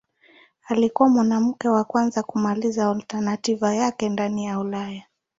Alikuwa mwanamke wa kwanza kumaliza alternativa yake ndani ya Ulaya.